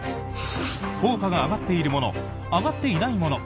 効果が上がっているもの上がっていないもの